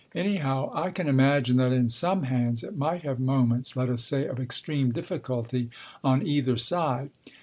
Anyhow, I can imagine that in some hands it might have moments, let us say, of extreme difficulty on either side.